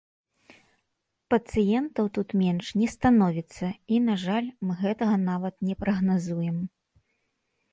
Пацыентаў тут менш не становіцца, і, на жаль, мы гэтага нават не прагназуем.